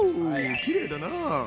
きれいだな！